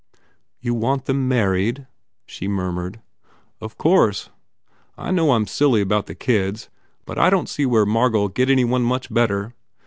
"You want them married?" she murmured. "Of course. I know I m silly about the kids but I don t see where Margot ll get any one much better.